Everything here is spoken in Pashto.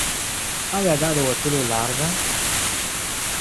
ایا دا د وتلو لار ده؟